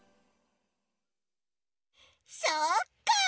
そっか！